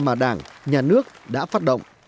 mà đảng nhà nước đã phát động